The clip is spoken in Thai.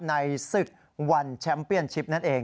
ในศึกวันแชมป์เปียนชิปนั่นเอง